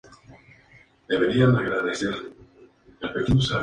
En el libro, siempre intenta mantener en vigencia lo que dijo el Viejo Mayor.